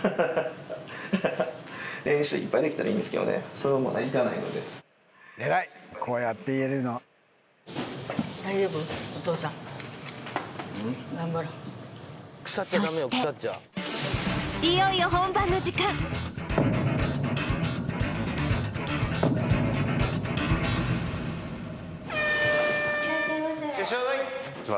そしていよいよ本番の時間いらっしゃいませこんにちは